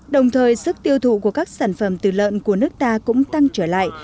đồng thời sức tiêu thụ của các sản phẩm từ lợn của nước ta cũng tăng trở lại